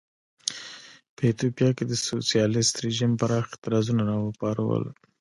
په ایتوپیا کې د سوسیالېست رژیم پراخ اعتراضونه را وپارول.